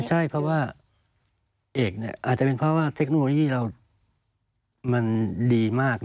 ใช่เพราะว่าเอกอาจจะเป็นเพราะว่าเทคโนโลยีเรามันดีมาก